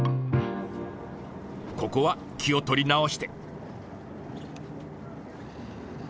ここは気を取り直して。